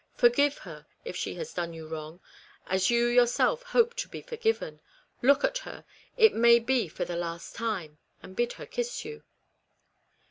Forgive her, if she has done you wrong, as you yourself hope to be forgiven. Look at her, it may be for the last time, and bid her kiss you."